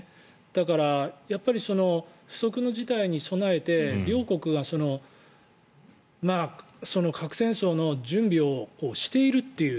だからやっぱり不測の事態に備えて両国が核戦争の準備をしているという。